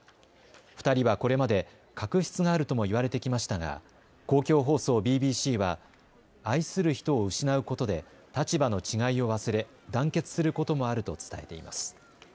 ２人はこれまで確執があるとも言われてきましたが公共放送ＢＢＣは愛する人を失うことで立場の違いを忘れ団結することもあると伝えています。